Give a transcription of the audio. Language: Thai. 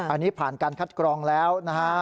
อันนี้ผ่านการคัดกรองแล้วนะฮะ